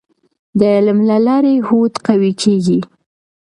د علم له لارې هوډ قوي کیږي.